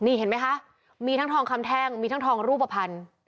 นี่เห็นไหมคะมีทั้งทองคำแท่งมีทั้งทองรูปภัณฑ์